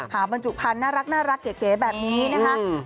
บรรจุพันธุ์น่ารักเก๋แบบนี้นะคะ